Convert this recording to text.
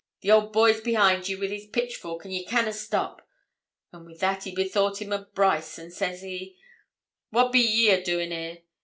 The old boy's behind ye wi' his pitchfork, and ye canna stop." An' wi' that he bethought him o' Brice, and says he, "What be ye a doin' there?